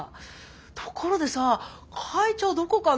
ところでさ会長どこかな？